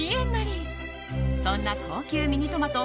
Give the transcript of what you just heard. そんな高級ミニトマト